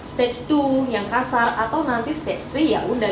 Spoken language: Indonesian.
stage dua yang kasar atau nanti stage stay ya udah